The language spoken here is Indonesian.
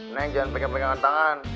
neng jangan pegang pegangan tangan